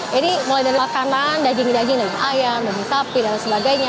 jadi mulai dari makanan daging daging daging ayam daging sapi dan sebagainya